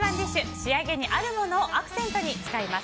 仕上げにあるものをアクセントに使います。